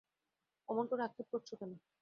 অমন করে আক্ষেপ করছ কেন।